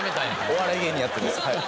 お笑い芸人やってます。